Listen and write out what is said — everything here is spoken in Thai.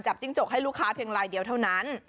จิ้งจกให้ลูกค้าเพียงลายเดียวเท่านั้น